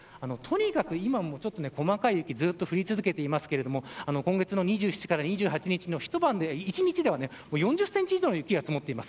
とにかく今も、ちょっと細かい雪が飛び続けていますが今月の２７日から２８日の一晩で４０センチ以上の雪が積もっています。